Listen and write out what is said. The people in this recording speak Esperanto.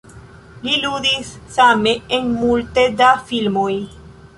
Li ludis same en multe da filmoj.